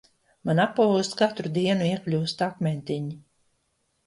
Man apavos katru dienu iekļūst akmentiņi.